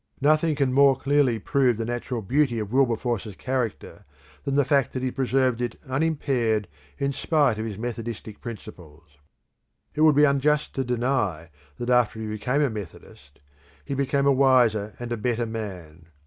Nothing can more clearly prove the natural beauty of Wilberforce's character than the fact that he preserved it unimpaired in spite of his Methodistic principles. It would be unjust to deny that after he became a Methodist he became a wiser and a better man.